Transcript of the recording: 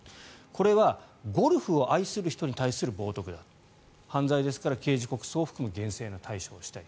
これはゴルフを愛する人に対する冒とくだ犯罪ですから刑事告訴を含む厳正な対処をしたい。